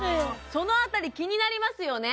そのあたり気になりますよね